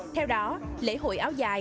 theo đó lễ hội áo dài